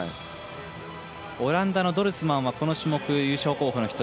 オランダのドルスマンはこの種目、優勝候補の１人。